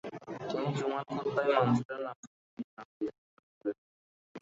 তিনি জুমার খুতবায় মানসুরের নাম সরিয়ে নিজের নাম দিতে ঘোষণা করেন।